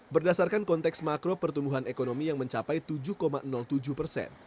berdasarkan konteks makro pertumbuhan ekonomi yang mencapai tujuh tujuh persen